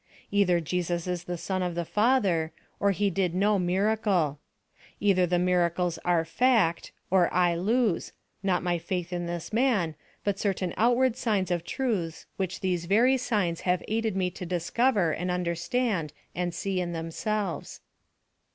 Either Jesus is the Son of the Father, or he did no miracle. Either the miracles are fact, or I lose not my faith in this man but certain outward signs of truths which these very signs have aided me to discover and understand and see in themselves.